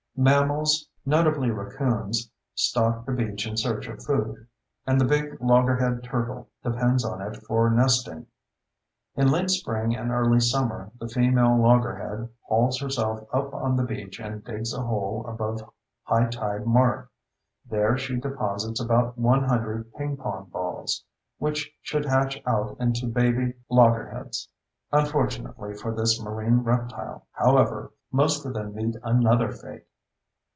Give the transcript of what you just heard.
Mammals, notably raccoons, stalk the beach in search of food. And the big loggerhead turtle depends on it for nesting. In late spring and early summer the female loggerhead hauls herself up on the beach and digs a hole above hightide mark. There she deposits about 100 ping pong balls—which should hatch out into baby loggerheads. Unfortunately for this marine reptile, however, most of them meet another fate.